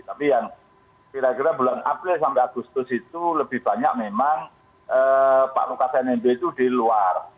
tapi yang kira kira bulan april sampai agustus itu lebih banyak memang pak lukas nmb itu di luar